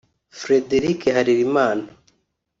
Frédéric Harerimana